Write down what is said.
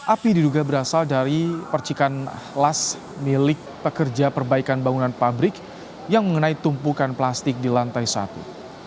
api diduga berasal dari percikan las milik pekerja perbaikan bangunan pabrik yang mengenai tumpukan plastik di lantai satu